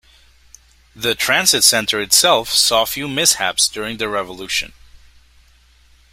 The transit center itself saw few mishaps during the revolution.